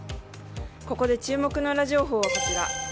ここで注目のウラ情報はこちら。